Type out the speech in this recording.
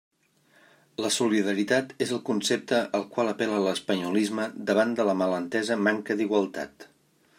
La solidaritat és el concepte al qual apel·la l'espanyolisme davant de la mal entesa manca d'igualtat.